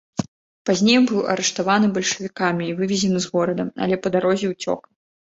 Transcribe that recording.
Пазней быў арыштаваны бальшавікамі і вывезены з горада, але па дарозе уцёк.